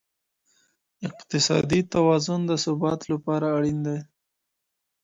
اقتصادي توازن د ثبات لپاره اړین دی.